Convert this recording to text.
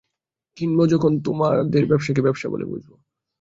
কিনব যখন তোমাদের ব্যাবসাকে ব্যাবসা বলে বুঝব।